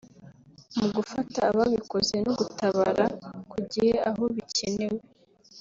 mu gufata ababikoze no gutabara ku gihe aho bikenewe